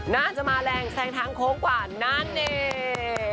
น่าจะมาแรงแซงทางโค้งกว่านั่นเอง